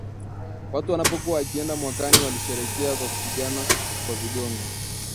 Watu walipokuwa wakienda mwakani walisherehekea kwa kupigana kwa vigongo